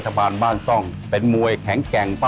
ดนตรมยแข็งเพราะปลานแหน่ง